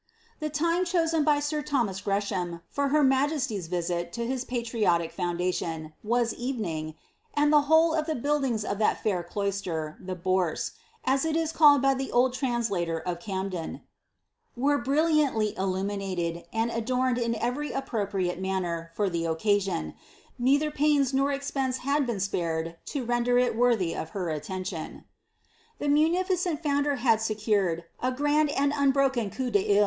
"' The time chosen by sir Thomas Oreaham, for her majesty's visit to his patriotic foundation, was evening, " and the whole of the buildings of that fair cloister, the Bourse," as it is called by the old translator of Caniden, were brilliantly illuminated, and adorned in an appropriate manner, for ihe occasion ;' neither pains nor expense had been spared to render it worthv of her attention. The munilicenl founder had secured a grand and unbroken coup d'sit.